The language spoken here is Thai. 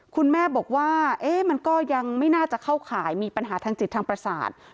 คุณแม่บอกว่ามันก็ยังไม่น่าจะเข้าข่ายมีปัญหาทางจิตทางประสาท